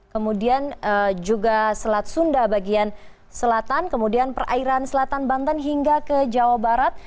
kemudian juga selat sunda bagian selatan kemudian perairan selatan banten hingga ke jawa barat